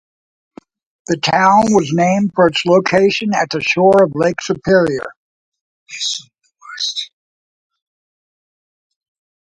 The town was named for its location at the shore of Lake Superior.